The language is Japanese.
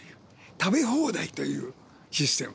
食べ放題というシステム。